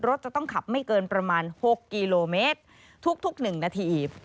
รถจะต้องขับไม่เกินประมาณ๖กิโลเมตรทุก๑นาที